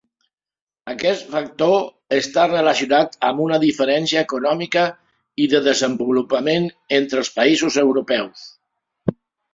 Aquest factor està relacionat amb una diferència econòmica i de desenvolupament entre els Països Europeus.